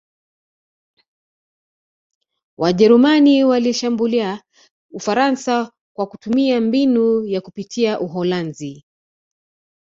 Wajerumani walishambulia Ufaransa kwa kutumia mbinu ya kupitia Uholanzi